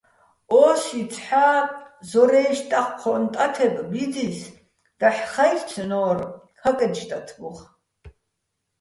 ო́სი ცჰ̦ა ზორაჲში̆ დაჴჴო́ჼ ტათებ ბიძის დაჰ̦ ხაჲრცნო́რ ქაკე́ჩ ტათბუხ.